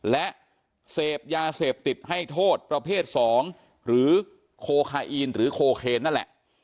และเสพยาเสพติดให้โทษประเภท๒หรือโคคาอีนหรือโคเคนนั่นแหละ